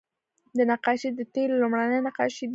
دا نقاشۍ د تیلو لومړنۍ نقاشۍ دي